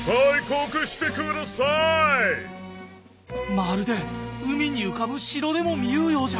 まるで海に浮かぶ城でも見ゆうようじゃ。